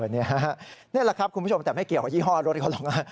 นี่แหละครับคุณผู้ชมแต่ไม่เกี่ยวกับยี่ห้อรถเขาหรอกนะ